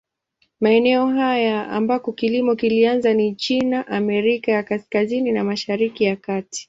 Maeneo haya ambako kilimo kilianza ni China, Amerika ya Kaskazini na Mashariki ya Kati.